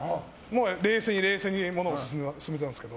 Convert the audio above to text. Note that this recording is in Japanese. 冷静にものを進めてたんですけど。